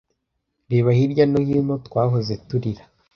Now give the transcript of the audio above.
reba hirya no hino twahoze turira